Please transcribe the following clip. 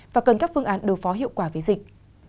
và cần các phương án đối phó hiệu quả với dịch